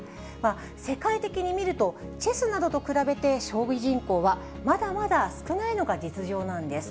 世界的に見ると、チェスなどと比べて、将棋人口はまだまだ少ないのが実情なんです。